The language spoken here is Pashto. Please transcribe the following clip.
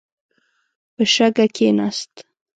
په شګه کښېناست.